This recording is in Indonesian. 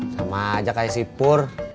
sama aja kayak sipur